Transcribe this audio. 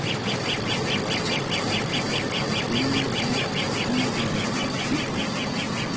Rachakqa kuurri kurrilla rikun.